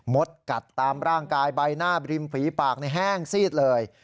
กัดตามร่างกายใบหน้าบริมฝีปากแห้งซีดเลย